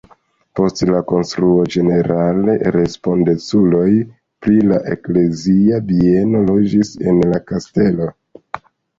Post la konstruo ĝenerale respondeculoj pri la eklezia bieno loĝis en la kastelo.